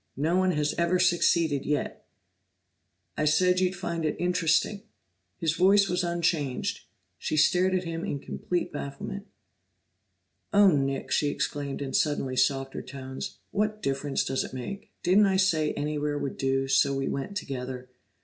No one has ever succeeded yet!" "I said you'd find it interesting." His voice was unchanged; she stared at him in complete bafflement. "Oh, Nick!" she exclaimed in suddenly softer tones. "What difference does it make? Didn't I say anywhere would do, so we went together?"